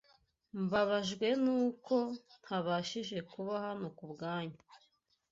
Mbabajwe nuko ntabashije kuba hano kubwanyu.